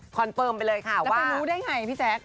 คอนเฟิร์มไปเลยค่ะว่าแล้วก็รู้ได้อย่างไรพี่แจ๊ก